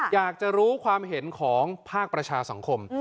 อยากจะรู้ความเห็นของภาคประชาสังคม